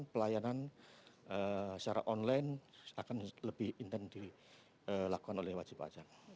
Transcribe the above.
pelayanan secara online akan lebih intens dilakukan oleh wajib pajak